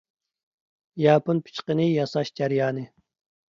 ياپون پىچىقىنى ياساش جەريانى.